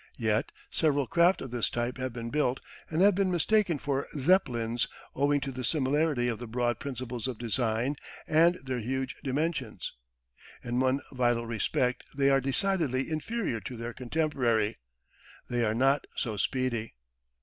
Yet several craft of this type have been built and have been mistaken for Zeppelins owing to the similarity of the broad principles of design and their huge dimensions. In one vital respect they are decidedly inferior to their contemporary they are not so speedy.